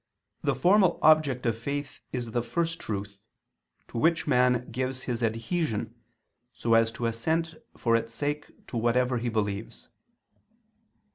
the formal object of faith is the First Truth, to Which man gives his adhesion, so as to assent for Its sake to whatever he believes.